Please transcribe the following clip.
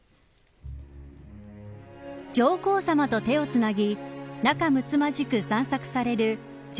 上皇さまと手をつなぎ仲むつまじく散策される上